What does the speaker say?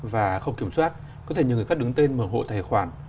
và không kiểm soát có thể nhờ người khác đứng tên mở hộ tài khoản